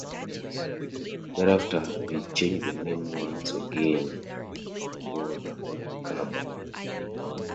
Thereafter they changed their name once again to God Macabre.